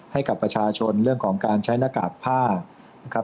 ให้กับประชาชนเรื่องของการใช้หน้ากากผ้านะครับ